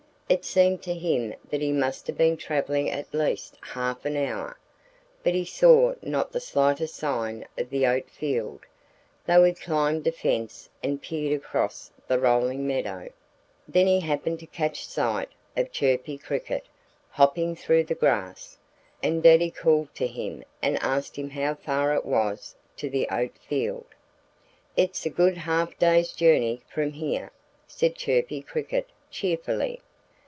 It seemed to him that he must have been travelling at least half an hour. But he saw not the slightest sign of the oat field, though he climbed a fence and peered across the rolling meadow. Then he happened to catch sight of Chirpy Cricket hopping through the grass. And Daddy called to him and asked him how far it was to the oat field. "It's a good half day's journey from here," said Chirpy Cricket cheerfully.